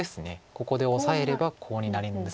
ここでオサえればコウになるんですけど。